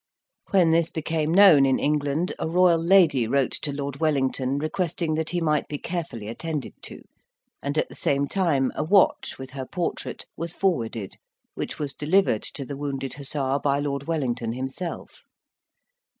When this became known in England, a royal lady wrote to Lord Wellington, requesting that he might be carefully attended to; and, at the same time, a watch, with her portrait, was forwarded, which was delivered to the wounded Hussar by Lord Wellington himself.